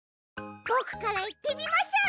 ボクからいってみます！